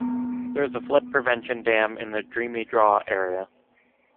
There is a flood prevention dam in the "Dreamy Draw" area.